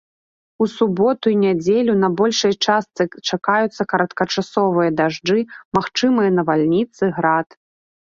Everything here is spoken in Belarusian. У суботу і нядзелю на большай частцы чакаюцца кароткачасовыя дажджы, магчымыя навальніцы, град.